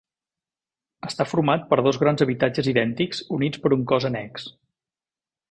Està format per dos grans habitatges idèntics, units per un cos annex.